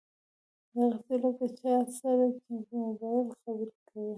داسې لکه له چا سره چې په مبايل خبرې کوي.